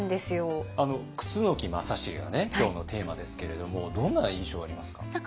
楠木正成がね今日のテーマですけれどもどんな印象ありますか？